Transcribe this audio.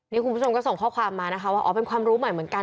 นี่คุณผู้ชมก็ส่งข้อความมานะคะว่าอ๋อเป็นความรู้ใหม่เหมือนกัน